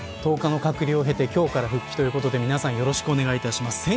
１０日の隔離を経て今日から復帰ということで皆さん、よろしくお願いします。